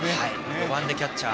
４番でキャッチャー。